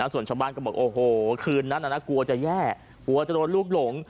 ส่วนชาวบ้านก็บอกโอ้โหคืนนั้นกลัวจะแย่กลัวจะโดนลูกหลง